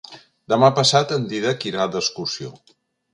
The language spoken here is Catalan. Demà passat en Dídac irà d'excursió.